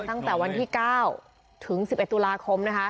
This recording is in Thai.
ตั้งแต่วันที่๙ถึง๑๑ตุลาคมนะคะ